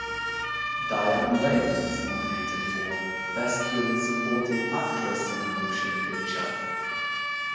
Diane Lane was nominated for "Best Young Supporting Actress in a Motion Picture".